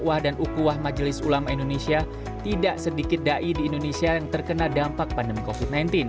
ada beberapa da'i di indonesia yang terkena dampak pandemi covid sembilan belas